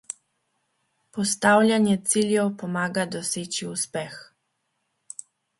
Postavljanje ciljev pomaga doseči uspeh.